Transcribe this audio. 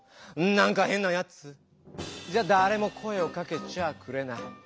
「なんかへんなやつ」じゃだれも声をかけちゃくれない。